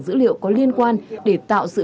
dữ liệu có liên quan để tạo sự